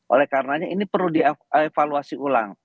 oleh karenanya ini perlu dievaluasi ulang